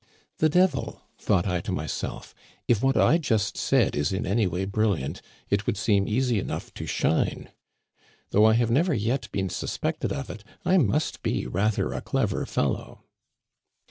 "The devil!" thought I to myself, "if what I just said is in any way brilliant, it would seem easy enough to shine. Though I have never yet been suspected of it, I must be rather a clever fellow."